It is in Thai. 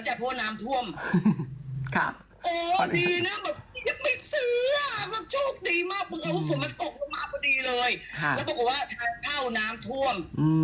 และบอกว่าทางค่าวน้ำท่วม